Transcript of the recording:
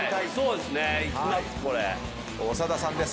長田さんです。